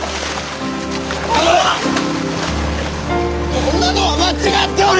こんなのは間違っておる！